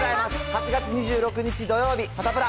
８月２６日土曜日、サタプラ。